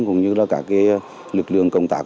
cũng như là cả cái lực lượng công tác